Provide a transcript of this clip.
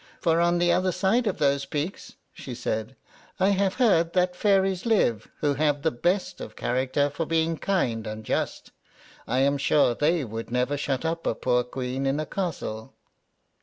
"For on the other side of those peaks," she said, "I have heard that fairies live who have the best of characters for being kind and just. I am sure they would never shut up a poor queen in a castle.